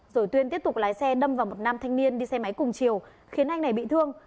rồi tuyên tiếp tục lái xe đâm vào một nam thanh niên đi xe máy cùng chiều khiến anh này bị thương